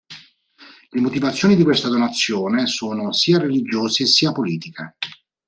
Le motivazioni di questa donazione sono sia religiose sia politiche.